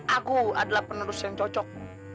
aku adalah penerus yang cocok